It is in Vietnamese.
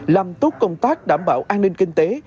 làm tốt công tác đảm bảo an ninh kinh tế